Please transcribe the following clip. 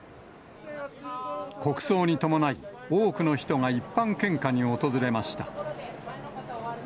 国葬に伴い、多くの人が一般献花に訪れました。